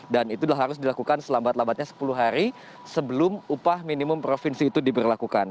dan itu harus dilakukan selambat lambatnya sepuluh hari sebelum upah minimum provinsi itu diberlakukan